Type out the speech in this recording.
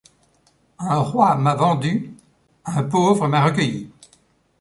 Un roi m’a vendu, un pauvre m’a recueilli.